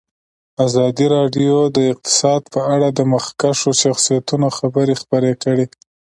ازادي راډیو د اقتصاد په اړه د مخکښو شخصیتونو خبرې خپرې کړي.